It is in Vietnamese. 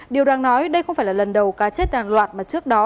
điều đang nói đây không phải là lần đầu cá chết hàng loạt mà trước đó